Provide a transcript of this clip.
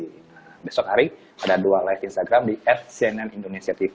jadi besok hari ada dua live instagram di at cnn indonesia tv